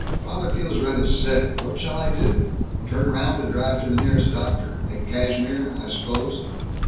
"Father feels rather sick. What shall I do? Turn round and drive to the nearest doctor at Cashmere, I suppose?"